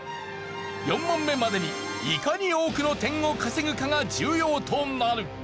４問目までにいかに多くの点を稼ぐかが重要となる。